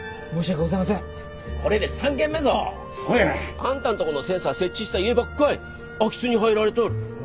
あんたんとこのセンサー設置した家ばっかい空き巣に入られとる。